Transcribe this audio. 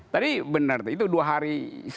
tadi benar itu dua hari